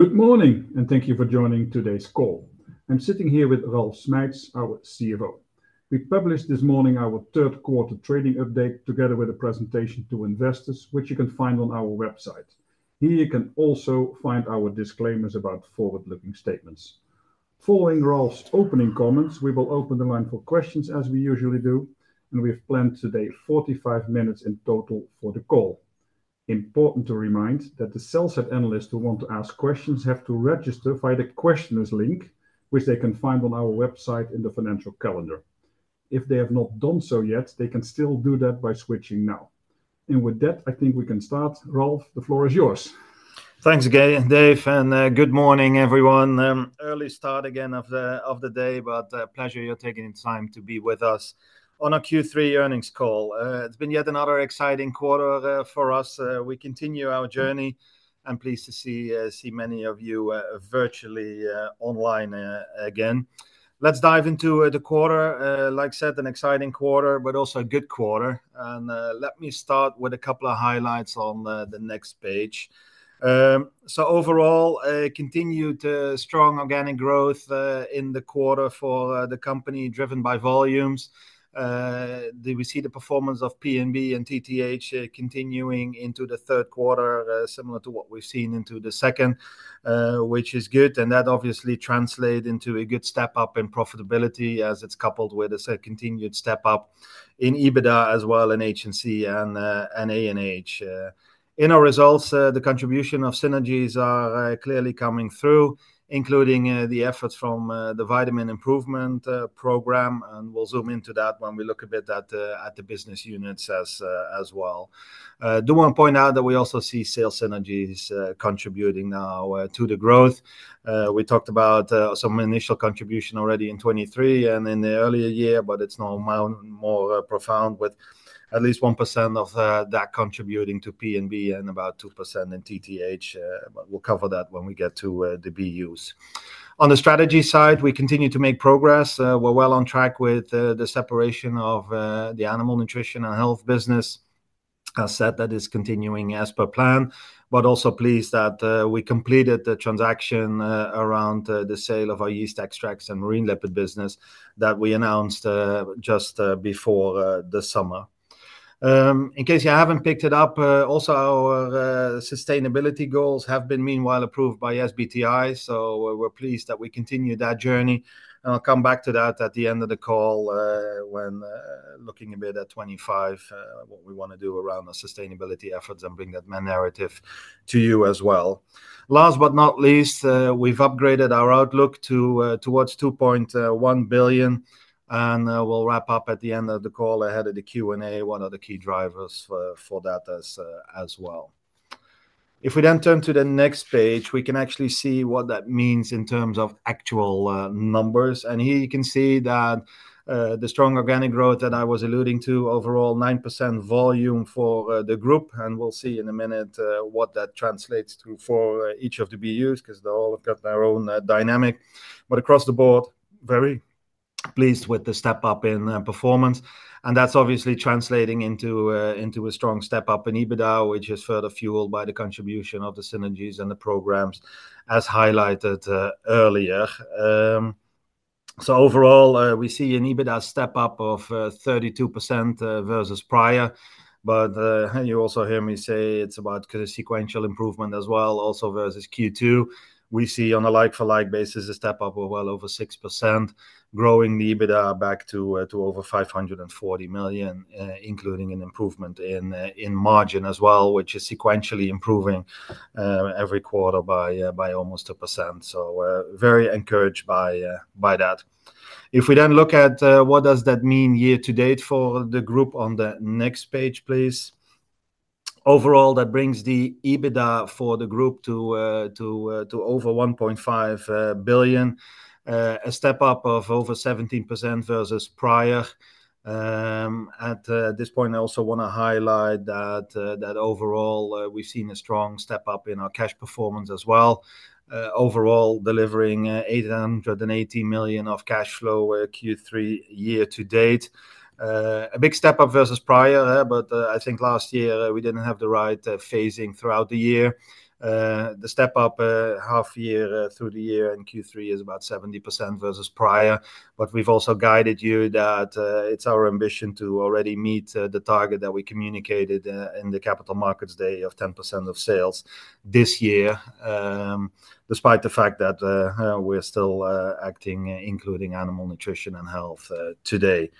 Good morning, and thank you for joining today's call. I'm sitting here with Ralf Schmeitz, our CFO. We published this morning our third-quarter trading update together with a presentation to investors, which you can find on our website. Here you can also find our disclaimers about forward-looking statements. Following Ralf's opening comments, we will open the line for questions as we usually do, and we have planned today 45 minutes in total for the call. Important to remind that the sell-side analysts who want to ask questions have to register via the questioners' link, which they can find on our website in the financial calendar. If they have not done so yet, they can still do that by switching now, and with that, I think we can start. Ralf, the floor is yours. Thanks again, Dave, and good morning everyone. Early start again of the day, but a pleasure you're taking the time to be with us on a Q3 earnings call. It's been yet another exciting quarter for us. We continue our journey. I'm pleased to see many of you virtually online again. Let's dive into the quarter. Like I said, an exciting quarter, but also a good quarter. And let me start with a couple of highlights on the next page. So overall, continued strong organic growth in the quarter for the company driven by volumes. We see the performance of PNB and TTH continuing into the third quarter, similar to what we've seen into the second, which is good. And that obviously translates into a good step up in profitability as it's coupled with a continued step up in EBITDA as well in HNC and ANH. In our results, the contribution of synergies are clearly coming through, including the efforts from the Vitamin Improvement Program. And we'll zoom into that when we look a bit at the business units as well. Do want to point out that we also see sales synergies contributing now to the growth. We talked about some initial contribution already in 2023 and in the earlier year, but it's now more profound with at least 1% of that contributing to PNB and about 2% in TTH. We'll cover that when we get to the BUs. On the strategy side, we continue to make progress. We're well on track with the separation of the Animal Nutrition & Health business. I said that is continuing as per plan, but also pleased that we completed the transaction around the sale of our Yeast Extracts and Marine Lipids business that we announced just before the summer. In case you haven't picked it up, also our sustainability goals have been meanwhile approved by SBTi. So we're pleased that we continue that journey. And I'll come back to that at the end of the call when looking a bit at 2025, what we want to do around our sustainability efforts and bring that narrative to you as well. Last but not least, we've upgraded our outlook towards 2.1 billion. And we'll wrap up at the end of the call ahead of the Q&A, one of the key drivers for that as well. If we then turn to the next page, we can actually see what that means in terms of actual numbers. And here you can see that the strong organic growth that I was alluding to, overall 9% volume for the group. We'll see in a minute what that translates to for each of the BUs because they all have got their own dynamic. But across the board, very pleased with the step up in performance. That's obviously translating into a strong step up in EBITDA, which is further fueled by the contribution of the synergies and the programs as highlighted earlier. Overall, we see an EBITDA step up of 32% versus prior. You also hear me say it's about sequential improvement as well, also versus Q2. We see on a like-for-like basis a step up of well over 6%, growing the EBITDA back to over 540 million, including an improvement in margin as well, which is sequentially improving every quarter by almost 2%. Very encouraged by that. If we then look at what does that mean year to date for the group on the next page, please. Overall, that brings the EBITDA for the group to over 1.5 billion, a step up of over 17% versus prior. At this point, I also want to highlight that overall we've seen a strong step up in our cash performance as well. Overall, delivering 880 million of cash flow Q3 year to date. A big step up versus prior, but I think last year we didn't have the right phasing throughout the year. The step up half year through the year in Q3 is about 70% versus prior. But we've also guided you that it's our ambition to already meet the target that we communicated in the Capital Markets Day of 10% of sales this year, despite the fact that we're still acting, including Animal Nutrition & Health today.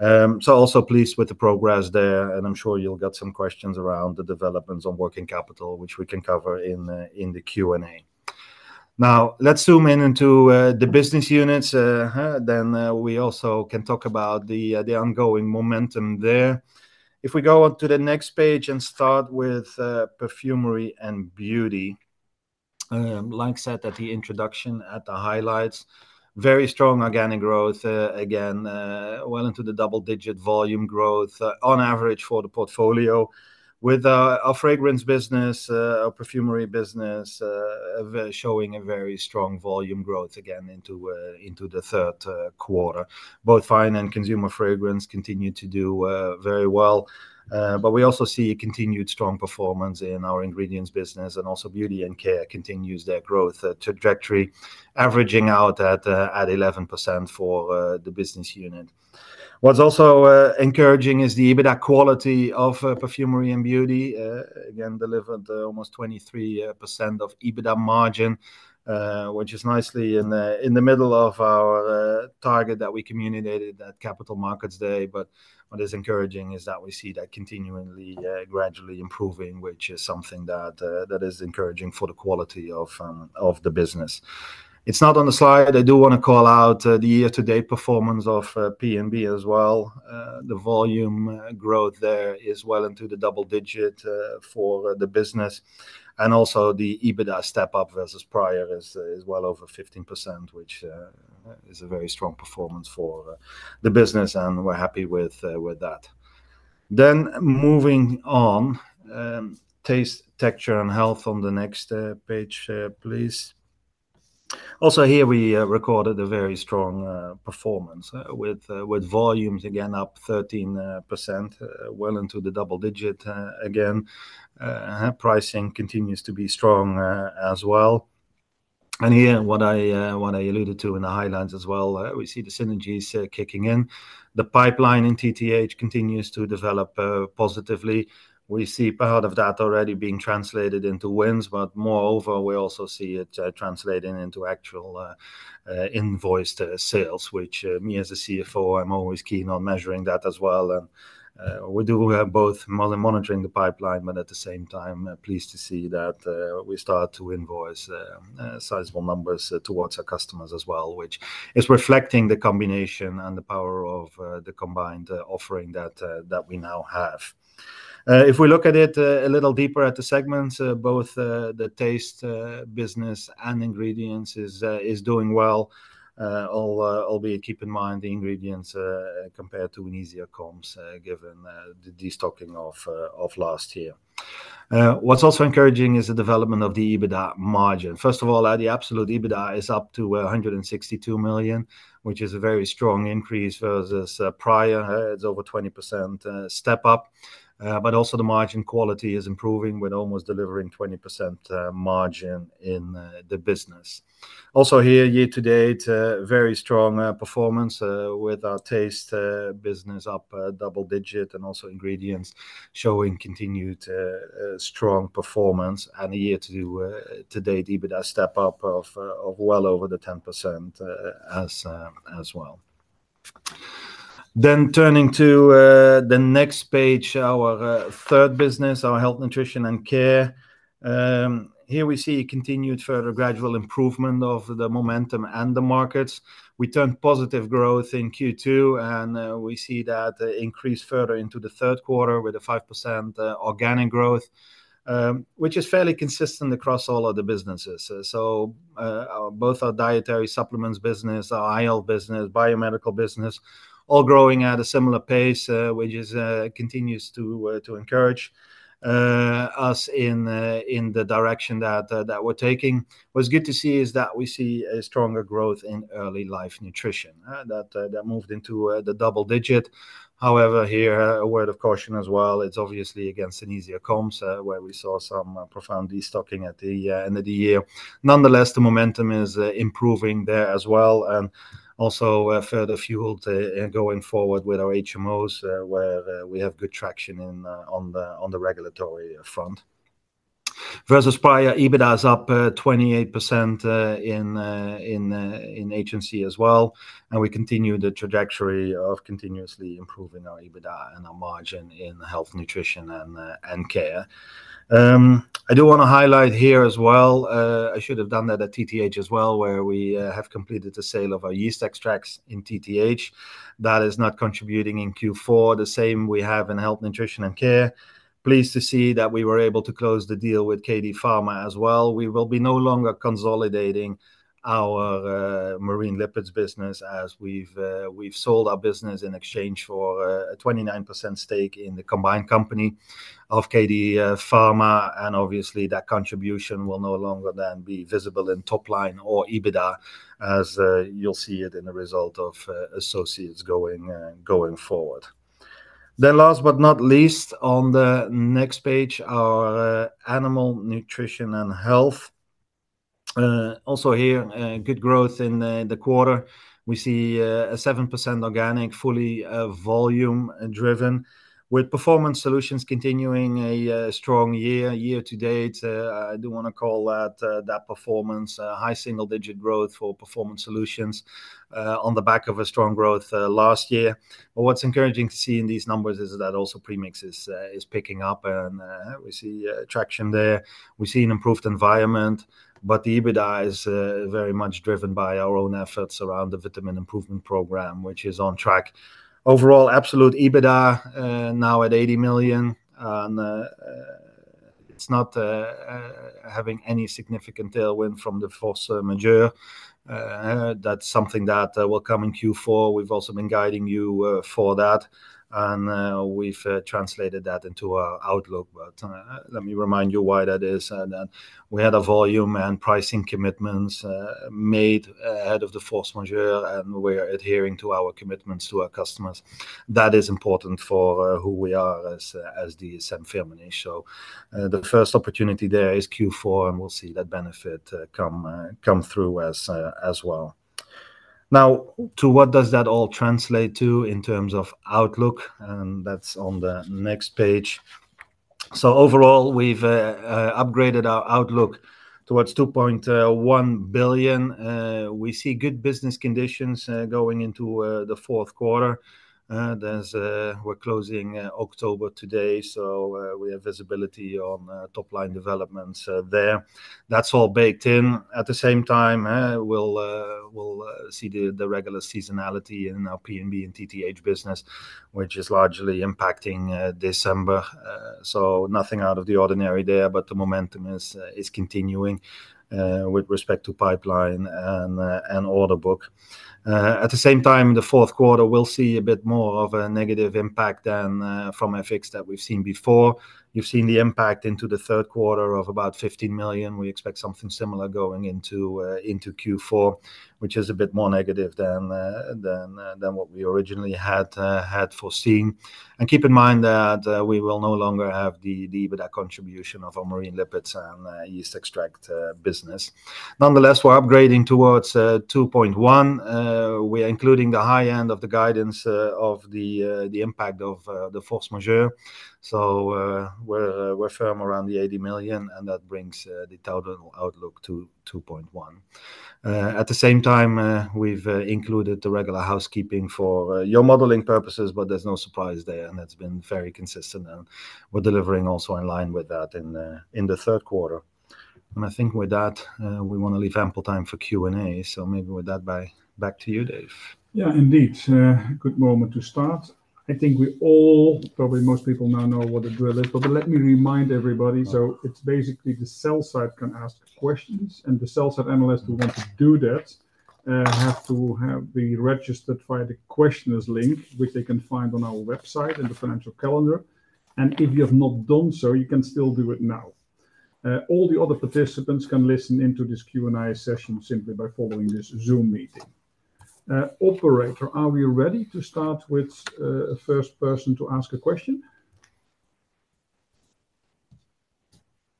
So, also pleased with the progress there. And I'm sure you'll get some questions around the developments on working capital, which we can cover in the Q&A. Now, let's zoom in into the business units. Then we also can talk about the ongoing momentum there. If we go on to the next page and start with Perfumery & Beauty, like said at the introduction at the highlights, very strong organic growth again, well into the double-digit volume growth on average for the portfolio with our fragrance business, our perfumery business showing a very strong volume growth again into the third quarter. Both Fine and Consumer Fragrance continue to do very well. But we also see continued strong performance in our ingredients business and also Beauty & Care continues their growth trajectory, averaging out at 11% for the business unit. What's also encouraging is the EBITDA quality of Perfumery & Beauty. Again, delivered almost 23% of EBITDA margin, which is nicely in the middle of our target that we communicated at Capital Markets Day. But what is encouraging is that we see that continuing gradually improving, which is something that is encouraging for the quality of the business. It's not on the slide. I do want to call out the year-to-date performance of PNB as well. The volume growth there is well into the double digit for the business. And also the EBITDA step up versus prior is well over 15%, which is a very strong performance for the business. And we're happy with that. Then moving on, Taste, Texture & Health on the next page, please. Also here, we recorded a very strong performance with volumes again up 13%, well into the double digit again. Pricing continues to be strong as well. Here, what I alluded to in the highlights as well, we see the synergies kicking in. The pipeline in TTH continues to develop positively. We see part of that already being translated into wins, but moreover, we also see it translating into actual invoice sales, which me as a CFO, I'm always keen on measuring that as well. We do have both monitoring the pipeline, but at the same time, pleased to see that we start to invoice sizable numbers towards our customers as well, which is reflecting the combination and the power of the combined offering that we now have. If we look at it a little deeper at the segments, both the taste business and ingredients is doing well, albeit keep in mind the ingredients compared to an easier comps given the destocking of last year. What's also encouraging is the development of the EBITDA margin. First of all, the absolute EBITDA is up to 162 million, which is a very strong increase versus prior. It's over 20% step up. But also the margin quality is improving with almost delivering 20% margin in the business. Also here, year to date, very strong performance with our taste business up double digit and also ingredients showing continued strong performance and a year-to-date EBITDA step up of well over the 10% as well. Then turning to the next page, our third business, our Health, Nutrition & Care. Here we see continued further gradual improvement of the momentum and the markets. We turned positive growth in Q2 and we see that increase further into the third quarter with a 5% organic growth, which is fairly consistent across all of the businesses. Both our Dietary Supplements business, our HNC business, Biomedical business, all growing at a similar pace, which continues to encourage us in the direction that we're taking. What's good to see is that we see a stronger growth in Early Life Nutrition that moved into the double digit. However, here, a word of caution as well. It's obviously against an easier comps where we saw some profound destocking at the end of the year. Nonetheless, the momentum is improving there as well and also further fueled going forward with our HMOs where we have good traction on the regulatory front. Versus prior, EBITDA is up 28% in HNC as well. We continue the trajectory of continuously improving our EBITDA and our margin in Health, Nutrition & Care. I do want to highlight here as well. I should have done that at TTH as well, where we have completed the sale of our Yeast Extracts in TTH. That is not contributing in Q4. The same we have in Health, Nutrition & Care. Pleased to see that we were able to close the deal with KD Pharma as well. We will be no longer consolidating our Marine Lipids business as we've sold our business in exchange for a 29% stake in the combined company of KD Pharma. And obviously, that contribution will no longer then be visible in top line or EBITDA as you'll see it in the result of associates going forward. Then last but not least, on the next page, our Animal Nutrition & Health. Also here, good growth in the quarter. We see a 7% organic, fully volume-driven with Performance Solutions continuing a strong year. Year to date, I do want to call that performance high single-digit growth for Performance Solutions on the back of strong growth last year. What's encouraging to see in these numbers is that also premix is picking up and we see traction there. We see an improved environment, but the EBITDA is very much driven by our own efforts around the Vitamin Improvement Program, which is on track. Overall, absolute EBITDA now at 80 million. It's not having any significant tailwind from the force majeure. That's something that will come in Q4. We've also been guiding you for that. And we've translated that into our outlook. But let me remind you why that is. And we had volume and pricing commitments made ahead of the force majeure and we're adhering to our commitments to our customers. That is important for who we are as DSM-Firmenich. So the first opportunity there is Q4 and we'll see that benefit come through as well. Now, to what does that all translate to in terms of outlook? And that's on the next page. So overall, we've upgraded our outlook towards 2.1 billion. We see good business conditions going into the fourth quarter. We're closing October today, so we have visibility on top line developments there. That's all baked in. At the same time, we'll see the regular seasonality in our PNB and TTH business, which is largely impacting December. So nothing out of the ordinary there, but the momentum is continuing with respect to pipeline and order book. At the same time, in the fourth quarter, we'll see a bit more of a negative impact than from FX that we've seen before. You've seen the impact into the third quarter of about 15 million. We expect something similar going into Q4, which is a bit more negative than what we originally had foreseen. And keep in mind that we will no longer have the EBITDA contribution of our Marine Lipids and yeast extract business. Nonetheless, we're upgrading towards 2.1 billion. We are including the high end of the guidance of the impact of the force majeure. So we're firm around 80 million and that brings the total outlook to 2.1 billion. At the same time, we've included the regular housekeeping for your modeling purposes, but there's no surprise there and it's been very consistent. And we're delivering also in line with that in the third quarter. And I think with that, we want to leave ample time for Q&A. So maybe with that, back to you, Dave. Yeah, indeed. Good moment to start. I think we all, probably most people now know what the drill is, but let me remind everybody, so it's basically the sell-side can ask questions and the sell-side analysts who want to do that have to be registered via the questioners' link, which they can find on our website and the financial calendar, and if you have not done so, you can still do it now. All the other participants can listen into this Q&A session simply by following this Zoom meeting. Operator, are we ready to start with a first person to ask a question?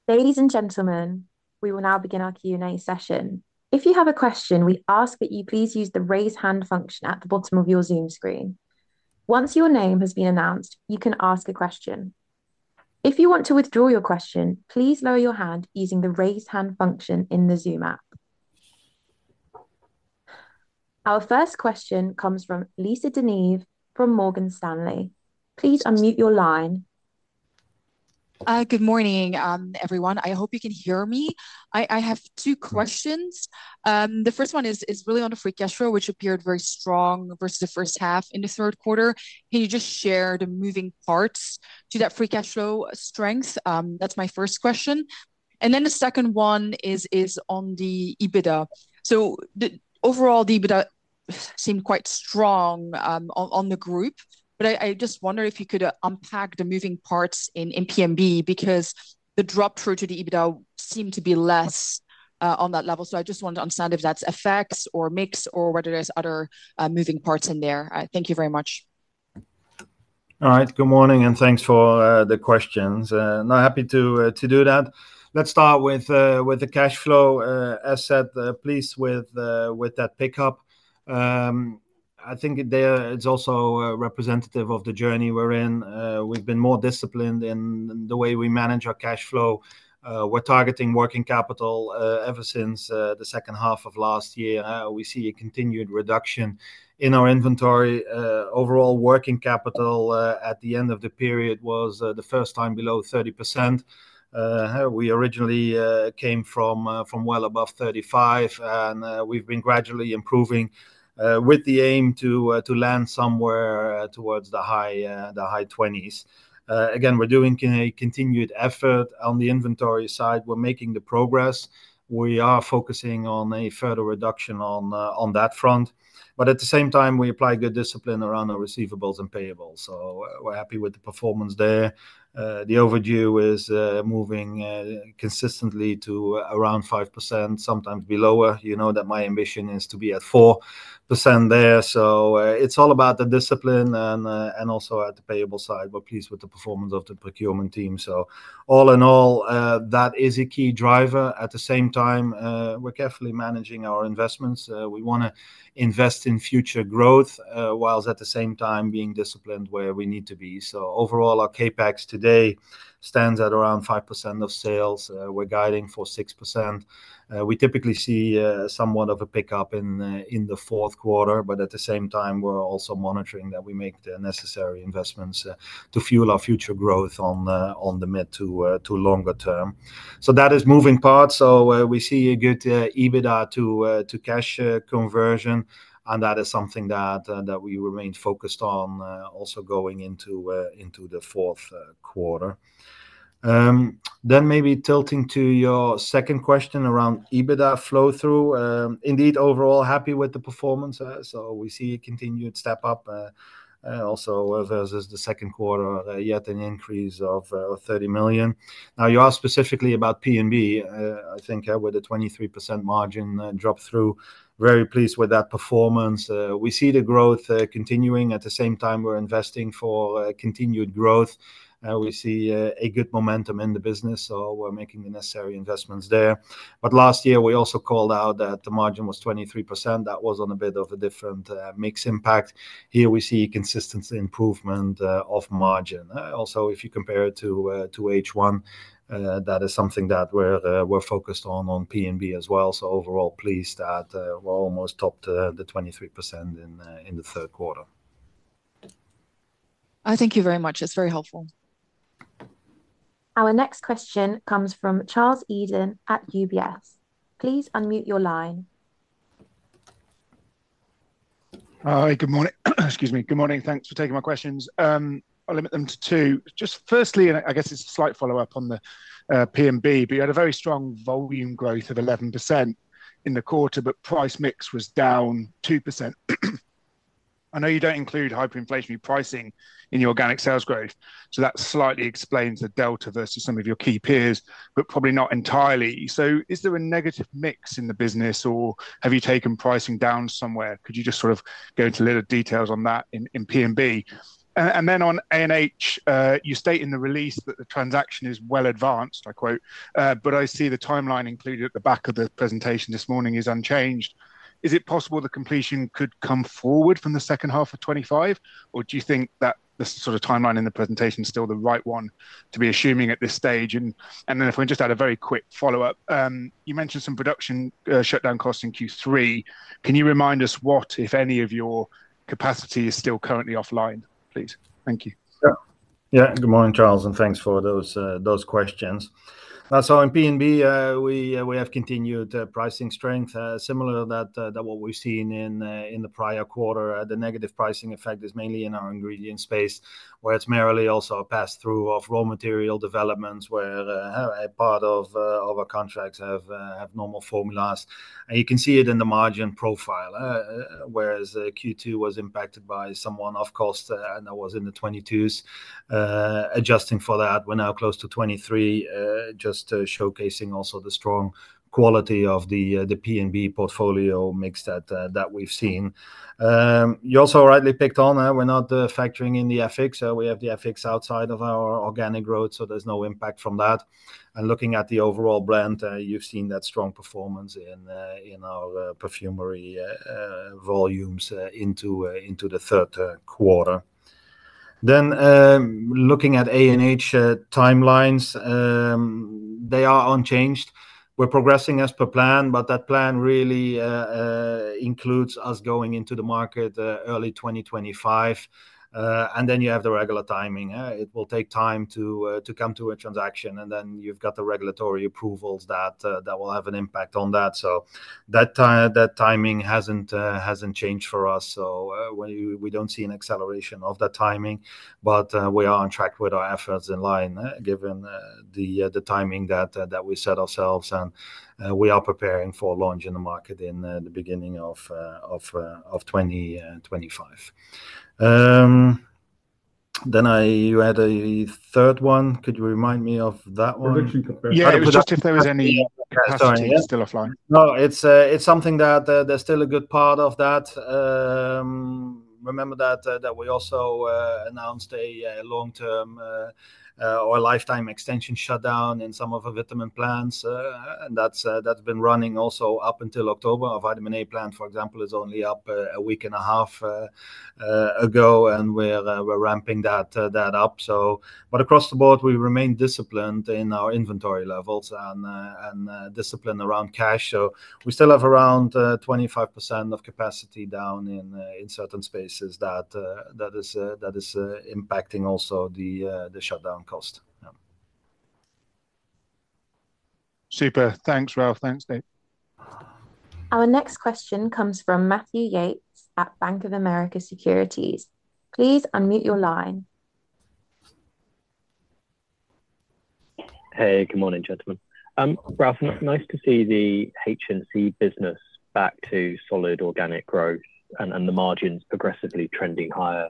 Ladies and gentlemen, we will now begin our Q&A session. If you have a question, we ask that you please use the raise hand function at the bottom of your Zoom screen. Once your name has been announced, you can ask a question. If you want to withdraw your question, please lower your hand using the raise hand function in the Zoom app. Our first question comes from Lisa De Neve from Morgan Stanley. Please unmute your line. Good morning, everyone. I hope you can hear me. I have two questions. The first one is really on the Free Cash Flow, which appeared very strong versus the first half in the third quarter. Can you just share the moving parts to that Free Cash Flow strength? That's my first question. And then the second one is on the EBITDA. So overall, the EBITDA seemed quite strong on the group, but I just wonder if you could unpack the moving parts in PNB because the drop through to the EBITDA seemed to be less on that level. I just want to understand if that's effects or mix or whether there's other moving parts in there. Thank you very much. All right, good morning and thanks for the questions. Now, happy to do that. Let's start with the cash flow asset, please, with that pickup. I think it's also representative of the journey we're in. We've been more disciplined in the way we manage our cash flow. We're targeting working capital ever since the second half of last year. We see a continued reduction in our inventory. Overall, working capital at the end of the period was the first time below 30%. We originally came from well above 35%, and we've been gradually improving with the aim to land somewhere towards the high 20s. Again, we're doing a continued effort on the inventory side. We're making the progress. We are focusing on a further reduction on that front. But at the same time, we apply good discipline around our receivables and payables. So we're happy with the performance there. The overdue is moving consistently to around 5%, sometimes below. You know that my ambition is to be at 4% there. So it's all about the discipline and also at the payable side, but pleased with the performance of the procurement team. So all in all, that is a key driver. At the same time, we're carefully managing our investments. We want to invest in future growth while at the same time being disciplined where we need to be. So overall, our CapEx today stands at around 5% of sales. We're guiding for 6%. We typically see somewhat of a pickup in the fourth quarter, but at the same time, we're also monitoring that we make the necessary investments to fuel our future growth on the mid- to longer-term. So that is moving parts. So we see a good EBITDA to cash conversion, and that is something that we remain focused on also going into the fourth quarter. Then maybe tilting to your second question around EBITDA flow-through. Indeed, overall, happy with the performance. So we see a continued step up also versus the second quarter, yet an increase of 30 million. Now, you asked specifically about PNB. I think with a 23% margin drop-through, very pleased with that performance. We see the growth continuing. At the same time, we're investing for continued growth. We see a good momentum in the business, so we're making the necessary investments there. But last year, we also called out that the margin was 23%. That was on a bit of a different mix impact. Here we see consistent improvement of margin. Also, if you compare it to H1, that is something that we're focused on PNB as well. So overall, pleased that we're almost topped the 23% in the third quarter. I thank you very much. It's very helpful. Our next question comes from Charles Eden at UBS. Please unmute your line. Hi, good morning. Excuse me. Good morning. Thanks for taking my questions. I'll limit them to two. Just firstly, and I guess it's a slight follow-up on the PNB, but you had a very strong volume growth of 11% in the quarter, but price mix was down 2%. I know you don't include hyperinflationary pricing in your organic sales growth, so that slightly explains the delta versus some of your key peers, but probably not entirely. So is there a negative mix in the business, or have you taken pricing down somewhere? Could you just sort of go into a little details on that in PNB? And then on ANH, you state in the release that the transaction is well advanced, I quote, but I see the timeline included at the back of the presentation this morning is unchanged. Is it possible the completion could come forward from the second half of 2025, or do you think that the sort of timeline in the presentation is still the right one to be assuming at this stage? And then if we just add a very quick follow-up, you mentioned some production shutdown costs in Q3. Can you remind us what, if any, of your capacity is still currently offline, please? Thank you. Yeah, good morning, Charles, and thanks for those questions. So in PNB, we have continued pricing strength, similar to what we've seen in the prior quarter. The negative pricing effect is mainly in our ingredient space, where it's merely also a pass-through of raw material developments where a part of our contracts have normal formulas. And you can see it in the margin profile, whereas Q2 was impacted by some one-off cost, and that was in the 22%, adjusting for that. We're now close to 23%, just showcasing also the strong quality of the PNB portfolio mix that we've seen. You also rightly picked up on. We're not factoring in the FX. We have the FX outside of our organic growth, so there's no impact from that. Looking at the overall blend, you've seen that strong performance in our perfumery volumes into the third quarter. Then looking at ANH timelines, they are unchanged. We're progressing as per plan, but that plan really includes us going into the market early 2025. And then you have the regular timing. It will take time to come to a transaction, and then you've got the regulatory approvals that will have an impact on that. So that timing hasn't changed for us. So we don't see an acceleration of that timing, but we are on track with our efforts in line given the timing that we set ourselves. And we are preparing for launch in the market in the beginning of 2025. Then you had a third one. Could you remind me of that one? Yeah, just if there was any question still offline. No, it's something that there's still a good part of that. Remember that we also announced a long-term or a lifetime extension shutdown in some of our vitamin plants. And that's been running also up until October. Our vitamin A plant, for example, is only up a week and a half ago, and we're ramping that up. But across the board, we remain disciplined in our inventory levels and discipline around cash. So we still have around 25% of capacity down in certain spaces that is impacting also the shutdown cost. Super. Thanks, Ralf. Thanks, Dave. Our next question comes from Matthew Yates at Bank of America Securities. Please unmute your line. Hey, good morning, gentlemen. Ralf, nice to see the HNC business back to solid organic growth and the margins progressively trending higher.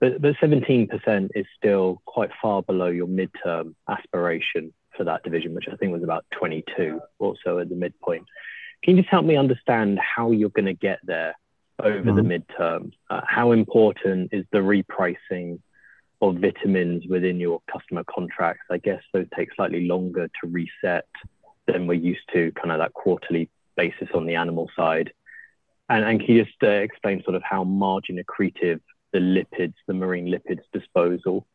But 17% is still quite far below your mid-term aspiration for that division, which I think was about 22% or so at the midpoint. Can you just help me understand how you're going to get there over the mid-term? How important is the repricing of vitamins within your customer contracts? I guess those take slightly longer to reset than we're used to, kind of that quarterly basis on the animal side. And can you just explain sort of how margin accretive the Marine Lipids disposal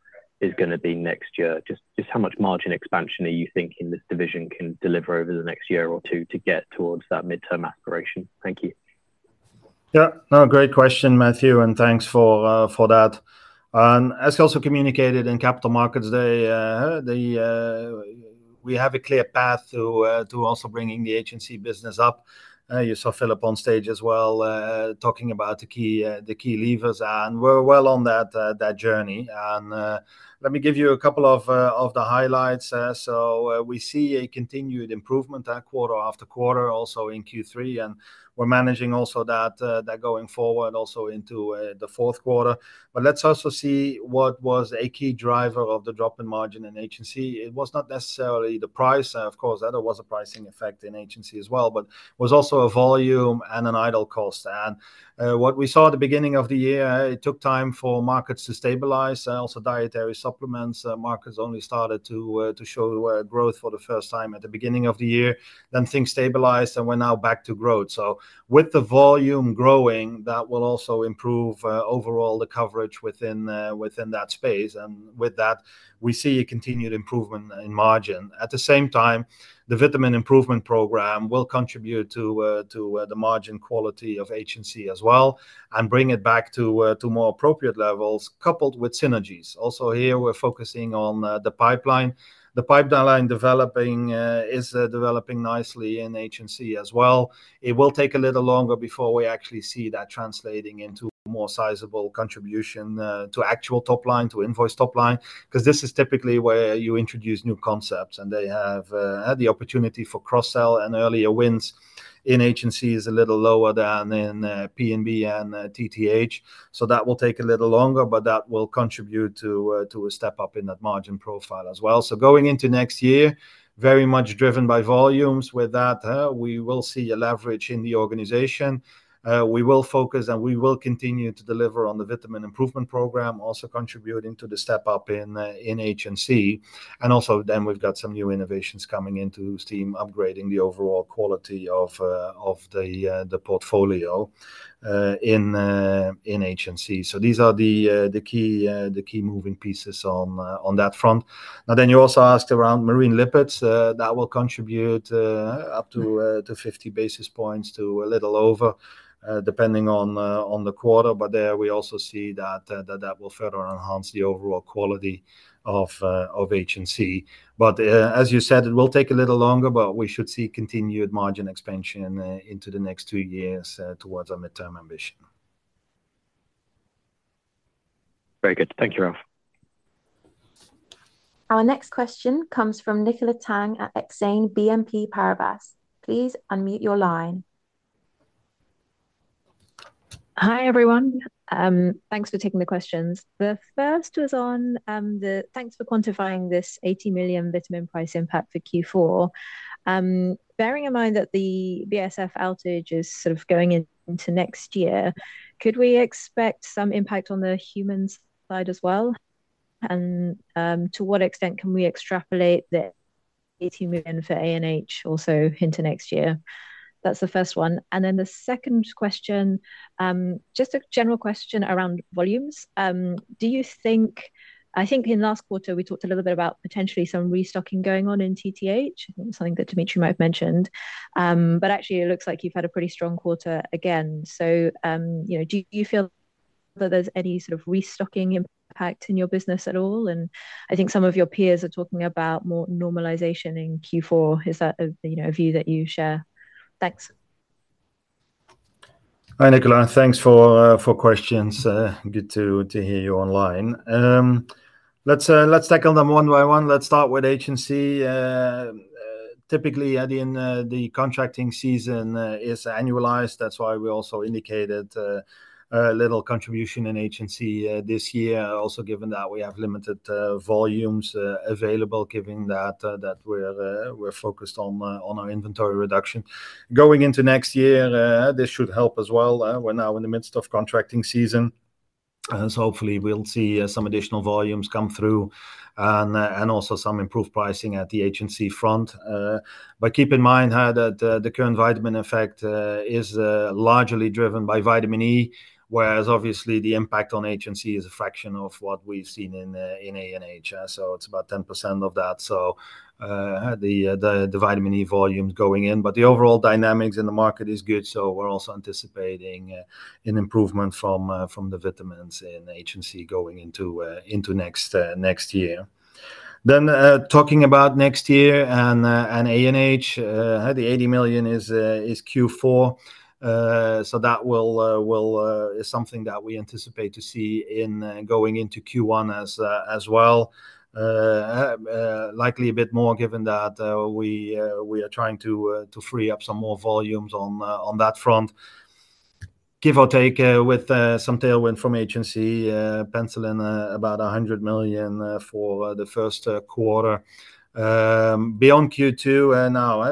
is going to be next year? Just how much margin expansion are you thinking this division can deliver over the next year or two to get towards that mid-term aspiration? Thank you. Yeah, no, great question, Matthew, and thanks for that. As also communicated in Capital Markets Day, we have a clear path to also bringing the HNC business up. You saw Philip on stage as well talking about the key levers, and we're well on that journey. And let me give you a couple of the highlights. So we see a continued improvement quarter after quarter, also in Q3, and we're managing also that going forward also into the fourth quarter. But let's also see what was a key driver of the drop in margin in HNC. It was not necessarily the price, of course. There was a pricing effect in HNC as well, but it was also a volume and an idle cost. And what we saw at the beginning of the year, it took time for markets to stabilize, also Dietary Supplements. Markets only started to show growth for the first time at the beginning of the year. Then things stabilized, and we're now back to growth. With the volume growing, that will also improve overall the coverage within that space. And with that, we see a continued improvement in margin. At the same time, the Vitamin Improvement Program will contribute to the margin quality of HNC as well and bring it back to more appropriate levels coupled with synergies. Also here, we're focusing on the pipeline. The pipeline is developing nicely in HNC as well. It will take a little longer before we actually see that translating into more sizable contribution to actual top line, to invoice top line, because this is typically where you introduce new concepts, and they have the opportunity for cross-sell, and earlier wins in HNC is a little lower than in PNB and TTH. That will take a little longer, but that will contribute to a step up in that margin profile as well. So going into next year, very much driven by volumes with that, we will see a leverage in the organization. We will focus, and we will continue to deliver on the Vitamin Improvement Program, also contributing to the step up in HNC. And also then we've got some new innovations coming on stream, upgrading the overall quality of the portfolio in HNC. So these are the key moving pieces on that front. Now, then you also asked around Marine Lipids. That will contribute up to 50 basis points to a little over, depending on the quarter. But there we also see that that will further enhance the overall quality of HNC. But as you said, it will take a little longer, but we should see continued margin expansion into the next two years towards our midterm ambition. Very good. Thank you, Ralf. Our next question comes from Nicola Tang at Exane BNP Paribas. Please unmute your line. Hi, everyone. Thanks for taking the questions. The first was on the thanks for quantifying this 80 million vitamin price impact for Q4. Bearing in mind that the BASF outage is sort of going into next year, could we expect some impact on the human side as well? And to what extent can we extrapolate the 80 million for ANH also into next year? That's the first one. And then the second question, just a general question around volumes. Do you think, I think in last quarter, we talked a little bit about potentially some restocking going on in TTH, something that Dimitri might have mentioned, but actually it looks like you've had a pretty strong quarter again. So do you feel that there's any sort of restocking impact in your business at all? I think some of your peers are talking about more normalization in Q4. Is that a view that you share? Thanks. Hi, Nicola. Thanks for questions. Good to hear you online. Let's tackle them one by one. Let's start with HNC. Typically, I mean, the contracting season is annualized. That's why we also indicated a little contribution in HNC this year, also given that we have limited volumes available, given that we're focused on our inventory reduction. Going into next year, this should help as well. We're now in the midst of contracting season. So hopefully, we'll see some additional volumes come through and also some improved pricing at the HNC front. But keep in mind that the current vitamin effect is largely driven by vitamin E, whereas obviously the impact on HNC is a fraction of what we've seen in ANH. So it's about 10% of that. So the vitamin E volumes going in, but the overall dynamics in the market is good. So we're also anticipating an improvement from the vitamins in HNC going into next year. Then talking about next year and ANH, the 80 million is Q4. So that will be something that we anticipate to see in going into Q1 as well, likely a bit more given that we are trying to free up some more volumes on that front. Give or take with some tailwind from HNC, pencil in about 100 million for the first quarter. Beyond Q2 now,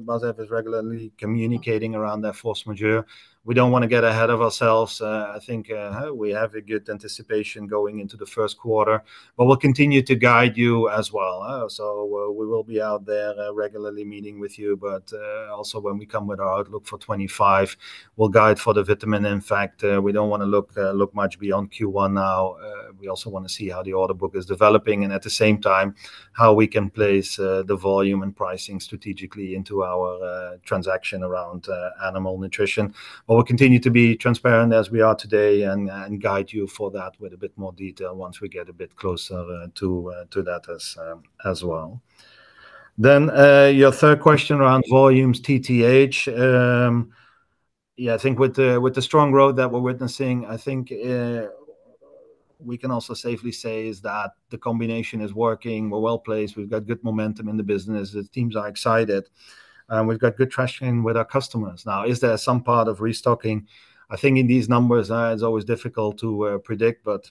BASF is regularly communicating around their force majeure. We don't want to get ahead of ourselves. I think we have a good anticipation going into the first quarter, but we'll continue to guide you as well. So we will be out there regularly meeting with you, but also when we come with our outlook for 2025, we'll guide for the vitamin. In fact, we don't want to look much beyond Q1 now. We also want to see how the order book is developing and at the same time, how we can place the volume and pricing strategically into our transaction around animal nutrition. But we'll continue to be transparent as we are today and guide you for that with a bit more detail once we get a bit closer to that as well. Then your third question around volumes, TTH. Yeah, I think with the strong growth that we're witnessing, I think we can also safely say is that the combination is working. We're well placed. We've got good momentum in the business. The teams are excited. We've got good traction with our customers. Now, is there some part of restocking? I think in these numbers, it's always difficult to predict, but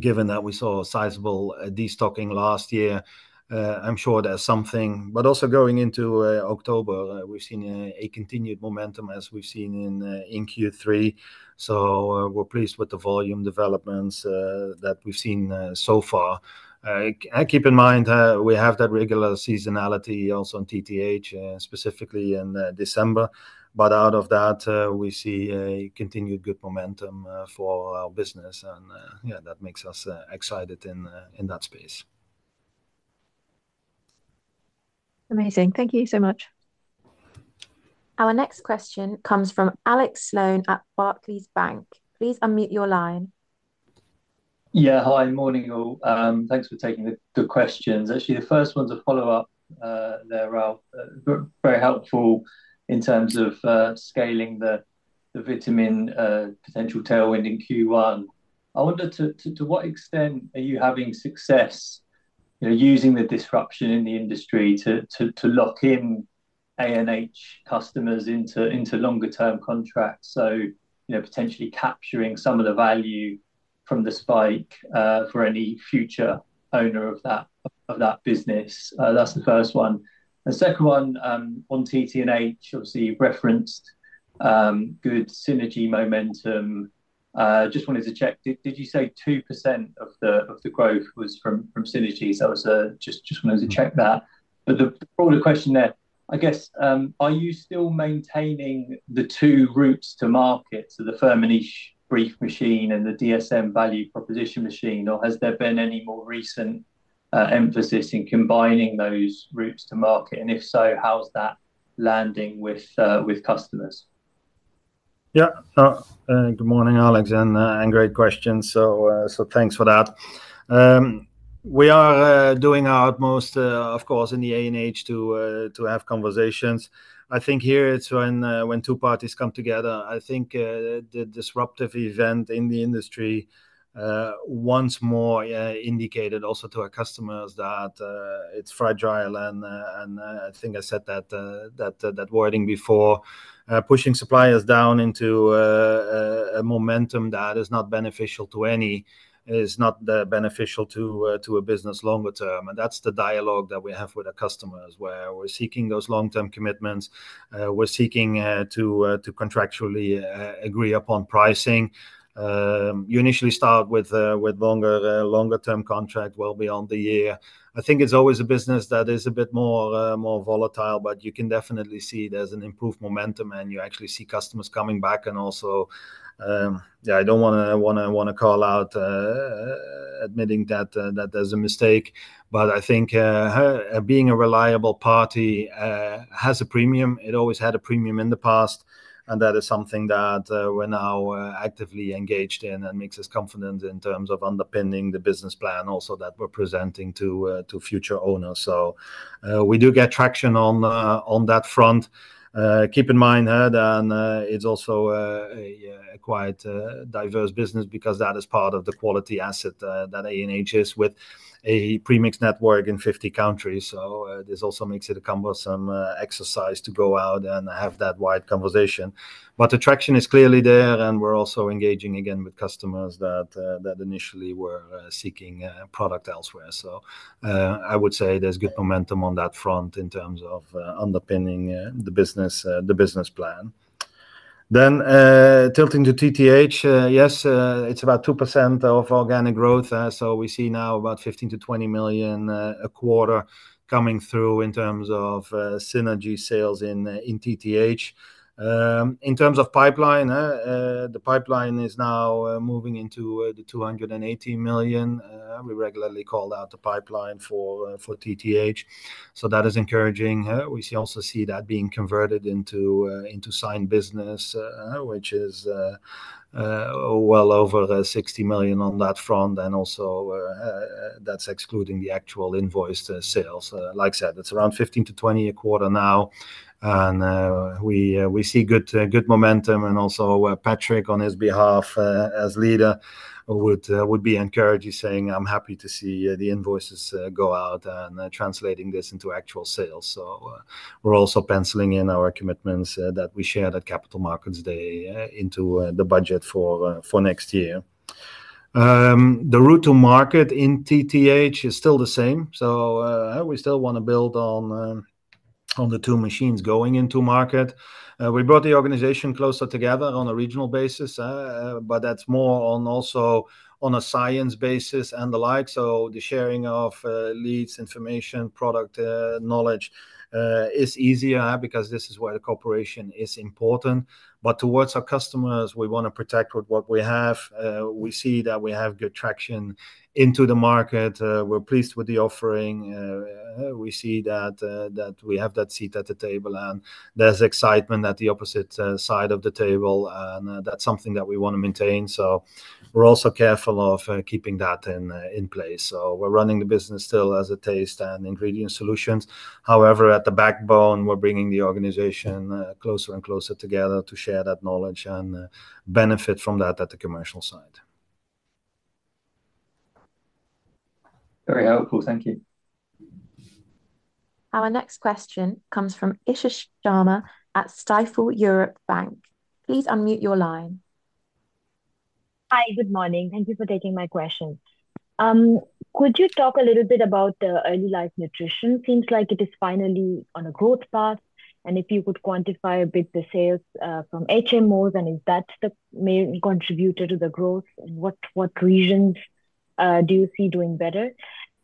given that we saw sizable destocking last year, I'm sure there's something, but also going into October, we've seen a continued momentum as we've seen in Q3, so we're pleased with the volume developments that we've seen so far. Keep in mind, we have that regular seasonality also in TTH, specifically in December, but out of that, we see a continued good momentum for our business, and yeah, that makes us excited in that space. Amazing. Thank you so much. Our next question comes from Alex Sloane at Barclays Bank. Please unmute your line. Yeah, hi, morning, all. Thanks for taking the questions. Actually, the first one's a follow-up there, Ralf. Very helpful in terms of scaling the vitamin potential tailwind in Q1. I wonder to what extent are you having success using the disruption in the industry to lock in ANH customers into longer-term contracts? So potentially capturing some of the value from the spike for any future owner of that business. That's the first one. The second one on TTH, obviously referenced good synergy momentum. Just wanted to check, did you say 2% of the growth was from synergies? I just wanted to check that. But the broader question there, I guess, are you still maintaining the two routes to market, so the Firmenich Business Machine and the DSM Value Proposition Machine, or has there been any more recent emphasis in combining those routes to market? And if so, how's that landing with customers? Yeah, good morning, Alex, and great question. So thanks for that. We are doing our utmost, of course, in the ANH to have conversations. I think here it's when two parties come together. I think the disruptive event in the industry once more indicated also to our customers that it's fragile. And I think I said that wording before, pushing suppliers down into a momentum that is not beneficial to any, is not beneficial to a business longer term. And that's the dialogue that we have with our customers where we're seeking those long-term commitments. We're seeking to contractually agree upon pricing. You initially start with longer-term contract well beyond the year. I think it's always a business that is a bit more volatile, but you can definitely see there's an improved momentum and you actually see customers coming back. And also, yeah, I don't want to call out admitting that there's a mistake, but I think being a reliable party has a premium. It always had a premium in the past. And that is something that we're now actively engaged in and makes us confident in terms of underpinning the business plan also that we're presenting to future owners. So we do get traction on that front. Keep in mind that it's also a quite diverse business because that is part of the quality asset that ANH is with a premix network in 50 countries. So this also makes it a cumbersome exercise to go out and have that wide conversation. But attraction is clearly there and we're also engaging again with customers that initially were seeking product elsewhere. So I would say there's good momentum on that front in terms of underpinning the business plan. Then tilting to TTH, yes, it's about 2% of organic growth. So we see now about 15-20 million a quarter coming through in terms of synergy sales in TTH. In terms of pipeline, the pipeline is now moving into 280 million. We regularly call out the pipeline for TTH, so that is encouraging. We also see that being converted into signed business, which is well over 60 million on that front, and also that's excluding the actual invoice sales. Like I said, it's around 15 million to 20 million a quarter now, and we see good momentum, and also Patrick, on his behalf as leader, would be encouraged saying, "I'm happy to see the invoices go out and translating this into actual sales," so we're also penciling in our commitments that we shared at Capital Markets Day into the budget for next year. The route to market in TTH is still the same, so we still want to build on the two machines going into market. We brought the organization closer together on a regional basis, but that's more on also on a science basis and the like. So the sharing of leads, information, product knowledge is easier because this is where the cooperation is important. But towards our customers, we want to protect with what we have. We see that we have good traction into the market. We're pleased with the offering. We see that we have that seat at the table and there's excitement at the opposite side of the table. And that's something that we want to maintain. So we're also careful of keeping that in place. So we're running the business still as a taste and ingredient solutions. However, at the backbone, we're bringing the organization closer and closer together to share that knowledge and benefit from that at the commercial side. Very helpful. Thank you. Our next question comes from Isha Sharma at Stifel Europe Bank. Please unmute your line. Hi, good morning. Thank you for taking my question. Could you talk a little bit about the Early Life Nutrition? Seems like it is finally on a growth path. And if you could quantify a bit the sales from HMOs, and is that the main contributor to the growth? And what regions do you see doing better?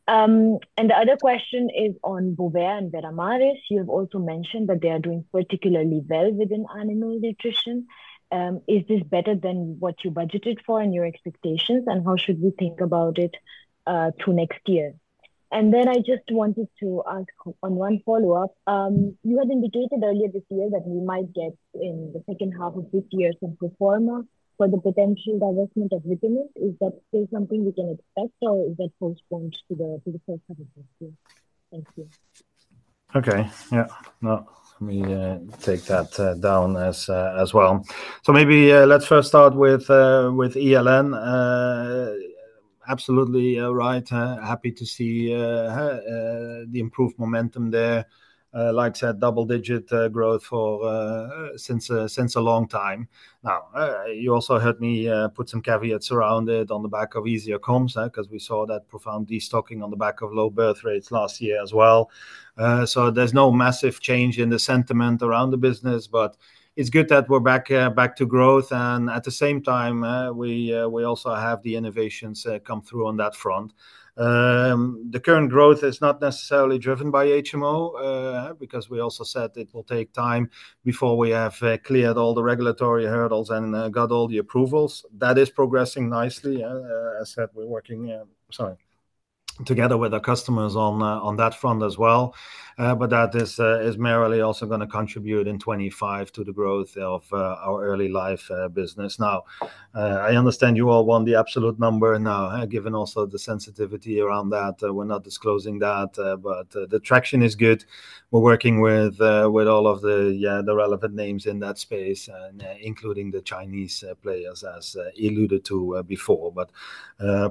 And the other question is on Bovaier and Veramaris. You have also mentioned that they are doing particularly well within animal nutrition. Is this better than what you budgeted for and your expectations? And how should we think about it to next year? And then I just wanted to ask on one follow-up. You had indicated earlier this year that we might get in the second half of this year some pro forma for the potential divestment of vitamins. Is that still something we can expect, or is that postponed to the first half of this year? Thank you. Okay. Yeah. No, let me take that down as well, so maybe let's first start with ELN. Absolutely right. Happy to see the improved momentum there. Like I said, double-digit growth for since a long time. Now, you also heard me put some caveats around it on the back of easier comps because we saw that profound destocking on the back of low birth rates last year as well. So there's no massive change in the sentiment around the business, but it's good that we're back to growth, and at the same time, we also have the innovations come through on that front. The current growth is not necessarily driven by HMO because we also said it will take time before we have cleared all the regulatory hurdles and got all the approvals. That is progressing nicely. As I said, we're working together with our customers on that front as well, but that is merely also going to contribute in 2025 to the growth of our early life business. Now, I understand you all want the absolute number now, given also the sensitivity around that. We're not disclosing that, but the traction is good. We're working with all of the relevant names in that space, including the Chinese players as alluded to before, but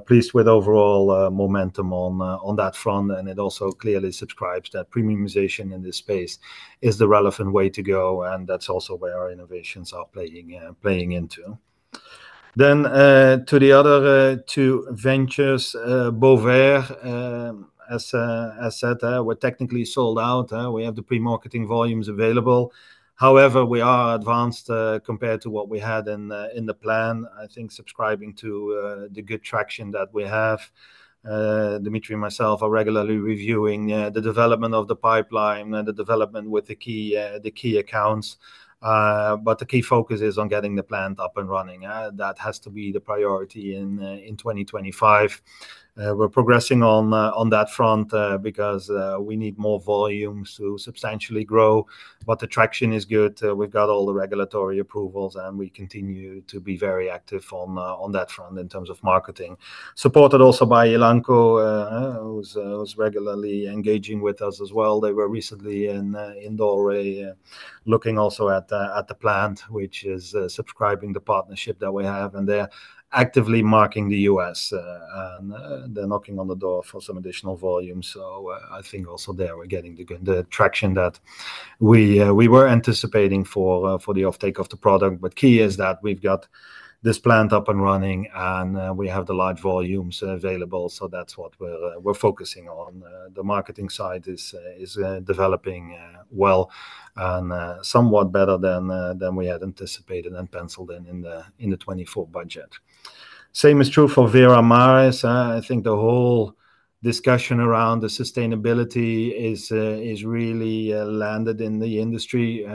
pleased with overall momentum on that front, and it also clearly subscribes that premiumization in this space is the relevant way to go, and that's also where our innovations are playing into. Then to the other two ventures, Bovaer, as I said, we're technically sold out. We have the pre-marketing volumes available. However, we are advanced compared to what we had in the plan. I think subscribing to the good traction that we have, Dimitri and myself are regularly reviewing the development of the pipeline and the development with the key accounts. But the key focus is on getting the plant up and running. That has to be the priority in 2025. We're progressing on that front because we need more volumes to substantially grow. But the traction is good. We've got all the regulatory approvals, and we continue to be very active on that front in terms of marketing. Supported also by Elanco, who's regularly engaging with us as well. They were recently in Dalry looking also at the plant, which is subscribing the partnership that we have. They're actively marketing the US, and they're knocking on doors for some additional volume. I think also there we're getting the traction that we were anticipating for the offtake of the product. Key is that we've got this plant up and running, and we have the large volumes available. That's what we're focusing on. The marketing side is developing well and somewhat better than we had anticipated and penciled in the 2024 budget. Same is true for Veramaris. I think the whole discussion around the sustainability has really landed in the industry,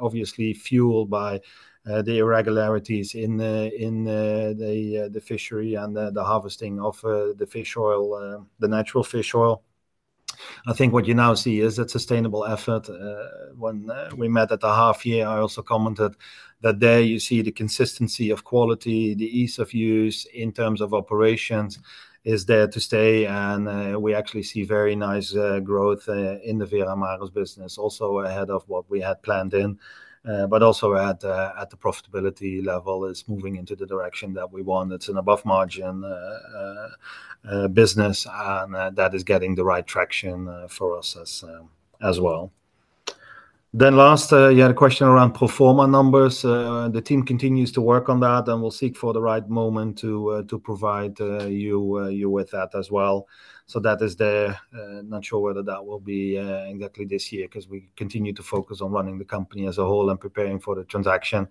obviously fueled by the irregularities in the fishery and the harvesting of the fish oil, the natural fish oil. I think what you now see is a sustainable effort. When we met at the half year, I also commented that there you see the consistency of quality, the ease of use in terms of operations is there to stay, and we actually see very nice growth in the Veramaris business, also ahead of what we had planned in. But also at the profitability level is moving into the direction that we want. It's an above-margin business, and that is getting the right traction for us as well. Then, last, you had a question around pro forma numbers. The team continues to work on that, and we'll seek for the right moment to provide you with that as well, so that is there. Not sure whether that will be exactly this year because we continue to focus on running the company as a whole and preparing for the transaction.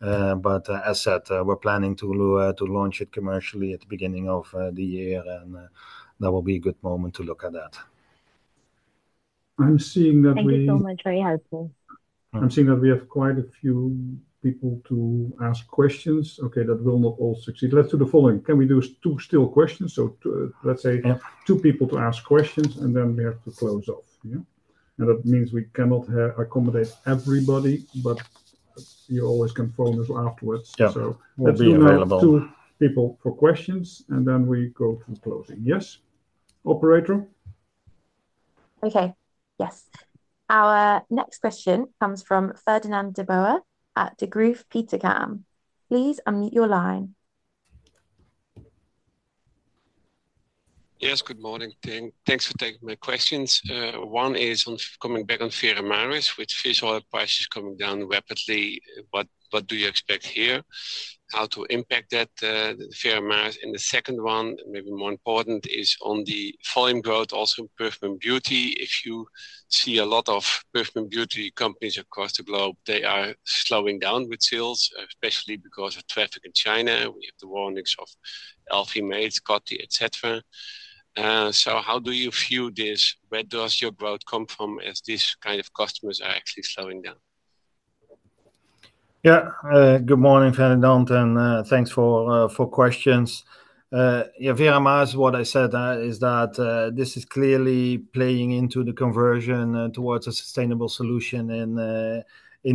But as I said, we're planning to launch it commercially at the beginning of the year, and that will be a good moment to look at that. I'm seeing that we. Thank you so much, very helpful. I'm seeing that we have quite a few people to ask questions. Okay, that will not all succeed. Let's do the following. Can we do two still questions? So let's say two people to ask questions, and then we have to close off. And that means we cannot accommodate everybody, but you always can phone us afterwards. So we'll be available. Two people for questions, and then we go to closing. Yes, operator? Okay. Yes. Our next question comes from Ferdinand de Boer at Degroof Petercam. Please unmute your line. Yes, good morning. Thanks for taking my questions. One is coming back on Veramaris, which fish oil prices coming down rapidly. What do you expect here? How does that impact Veramaris? And the second one, maybe more important, is on the volume growth, also in Perfumery & Beauty. If you see a lot of Perfumery & Beauty companies across the globe, they are slowing down with sales, especially because of traffic in China. We have the warnings of LVMH, Coty, etc. So how do you view this? Where does your growth come from as these kind of customers are actually slowing down? Yeah, good morning, Ferdinand, and thanks for the questions. Yeah, Veramaris, what I said is that this is clearly playing into the conversion towards a sustainable solution in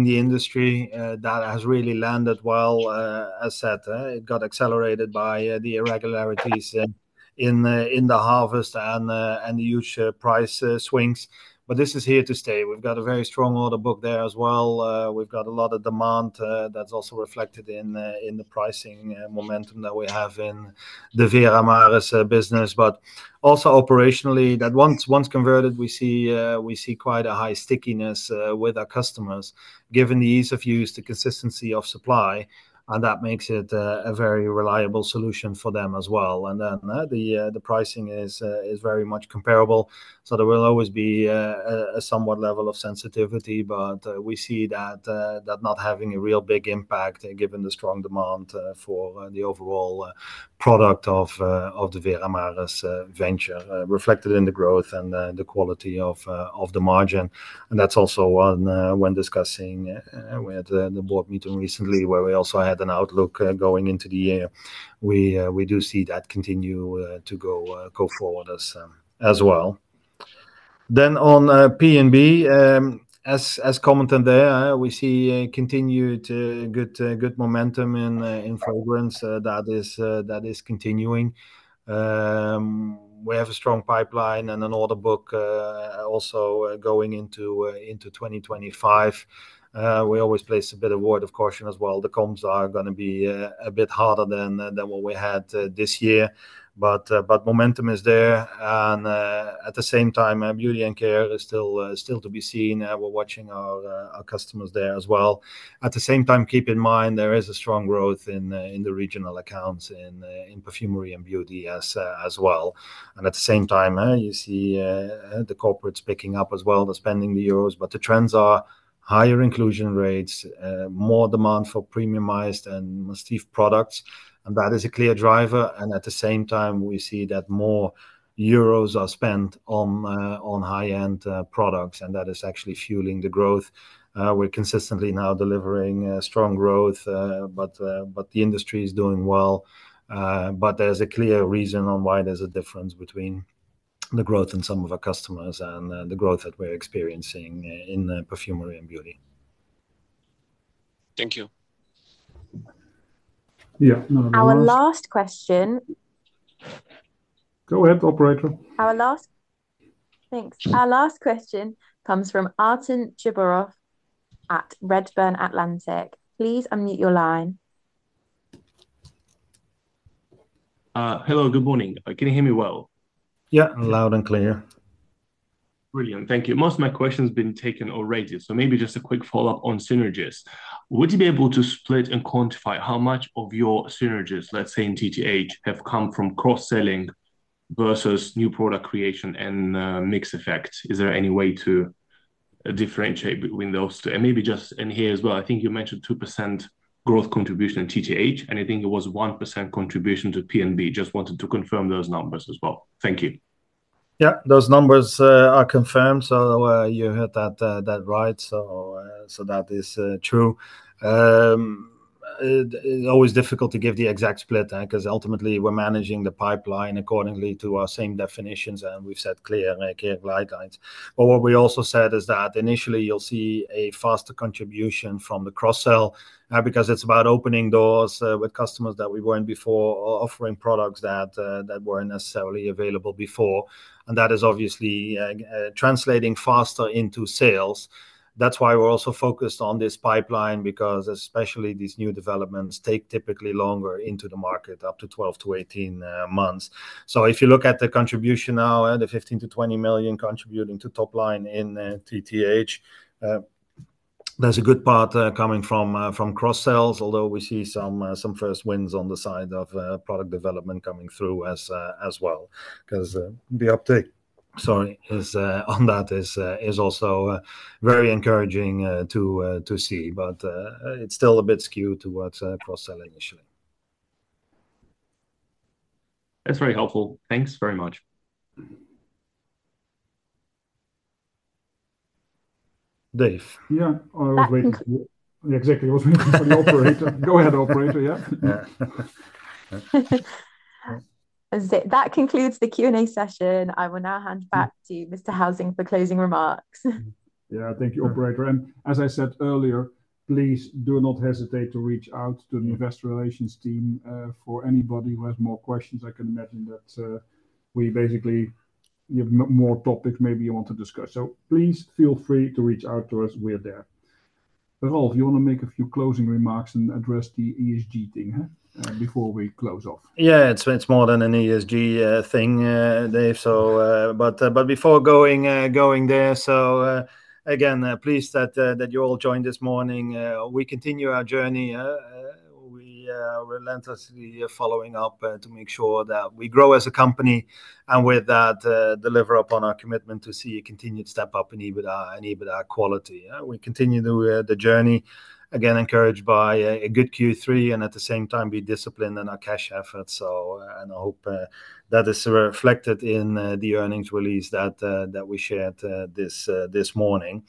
the industry. That has really landed well, as I said. It got accelerated by the irregularities in the harvest and the huge price swings. But this is here to stay. We've got a very strong order book there as well. We've got a lot of demand. That's also reflected in the pricing momentum that we have in the Veramaris business. But also operationally, that once converted, we see quite a high stickiness with our customers, given the ease of use, the consistency of supply. And that makes it a very reliable solution for them as well. And then the pricing is very much comparable. So there will always be a somewhat level of sensitivity, but we see that not having a real big impact, given the strong demand for the overall product of the Veramaris venture, reflected in the growth and the quality of the margin. And that's also when discussing with the board meeting recently, where we also had an outlook going into the year. We do see that continue to go forward as well. Then on P&B, as commented there, we see continued good momentum in fragrance that is continuing. We have a strong pipeline and an order book also going into 2025. We always place a bit of word of caution as well. The comps are going to be a bit harder than what we had this year. But momentum is there. And at the same time, Beauty & Care is still to be seen. We're watching our customers there as well. At the same time, keep in mind there is a strong growth in the regional accounts in Perfumery & Beauty as well. And at the same time, you see the corporates picking up as well, the spending the euros. But the trends are higher inclusion rates, more demand for premiumized and sustainable products. And that is a clear driver. And at the same time, we see that more euros are spent on high-end products. And that is actually fueling the growth. We're consistently now delivering strong growth, but the industry is doing well. But there's a clear reason on why there's a difference between the growth and some of our customers and the growth that we're experiencing in Perfumery & Beauty. Thank you. Yeah. Our last question. Go ahead, operator. Thanks. Our last question comes from Artem Chuborov at Redburn Atlantic. Please unmute your line. Hello, good morning. Can you hear me well? Yeah, loud and clear. Brilliant. Thank you. Most of my questions have been taken already. So maybe just a quick follow-up on synergies. Would you be able to split and quantify how much of your synergies, let's say in TTH, have come from cross-selling versus new product creation and mixed effects? Is there any way to differentiate between those two, and maybe just in here as well? I think you mentioned 2% growth contribution in TTH, and I think it was 1% contribution to P&B. Just wanted to confirm those numbers as well. Thank you. Yeah, those numbers are confirmed, so you heard that right, so that is true. It's always difficult to give the exact split because ultimately we're managing the pipeline according to our same definitions, and we've set clear guidelines. What we also said is that initially you'll see a faster contribution from the cross-sell because it's about opening doors with customers that we weren't before offering products that weren't necessarily available before. And that is obviously translating faster into sales. That's why we're also focused on this pipeline because especially these new developments take typically longer into the market, up to 12-18 months. So if you look at the contribution now, the 15-20 million contributing to top line in TTH, there's a good part coming from cross-sells, although we see some first wins on the side of product development coming through as well because the uptake, sorry, on that is also very encouraging to see. But it's still a bit skewed towards cross-sell initially. That's very helpful. Thanks very much. Dave. Yeah, I was waiting for you. Exactly what we need for the operator. Go ahead, operator, yeah. That concludes the Q&A session. I will now hand back to Mr. Huizing for closing remarks. Yeah, thank you, operator. And as I said earlier, please do not hesitate to reach out to the investor relations team for anybody who has more questions. I can imagine that we basically have more topics maybe you want to discuss. So please feel free to reach out to us. We're there. Ralf, you want to make a few closing remarks and address the ESG thing before we close off? Yeah, it's more than an ESG thing, Dave. But before going there, so again, pleased that you all joined this morning. We continue our journey. We relentlessly are following up to make sure that we grow as a company and with that deliver upon our commitment to see a continued step up in EBITDA quality. We continue the journey, again, encouraged by a good Q3 and at the same time be disciplined in our cash efforts. And I hope that is reflected in the earnings release that we shared this morning.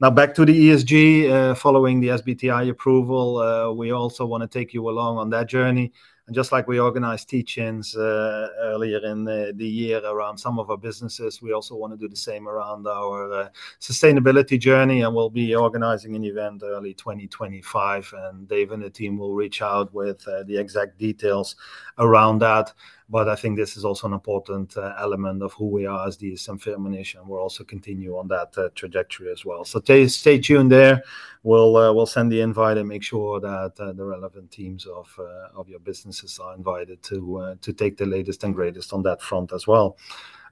Now, back to the ESG following the SBTi approval. We also want to take you along on that journey. And just like we organized teach-ins earlier in the year around some of our businesses, we also want to do the same around our sustainability journey. And we'll be organizing an event early 2025. And Dave and the team will reach out with the exact details around that. But I think this is also an important element of who we are as the DSM-Firmenich Management. We'll also continue on that trajectory as well. So stay tuned there. We'll send the invite and make sure that the relevant teams of your businesses are invited to take the latest and greatest on that front as well.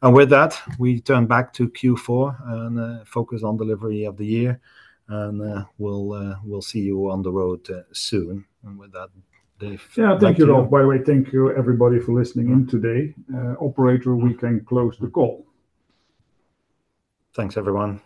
And with that, we turn back to Q4 and focus on delivery of the year. And we'll see you on the road soon. And with that, Dave. Yeah, thank you, Ralf. By the way, thank you everybody for listening in today. Operator, we can close the call. Thanks, everyone.